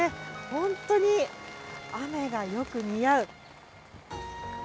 本当に、雨がよく似合う。